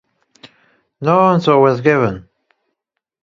No answer was given.